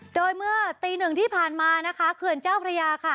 โดยเมื่อตีหนึ่งที่ผ่านมานะคะเขื่อนเจ้าพระยาค่ะ